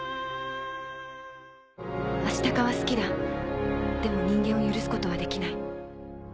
アシタカは好きだでも人間を許すことはできない。